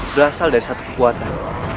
berasal dari satu kekuatan